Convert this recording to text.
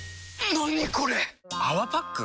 何これ⁉「泡パック」？